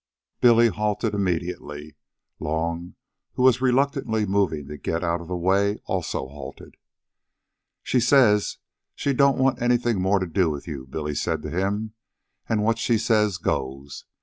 Billy halted immediately. Long, who was reluctantly moving to get out of the way, also halted. "She says she don't want anything more to do with you," Billy said to him. "An' what she says goes.